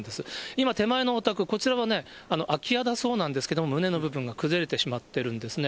今、手前のお宅、こちらは空き家だそうなんですけれども、棟の部分が崩れてしまってるんですね。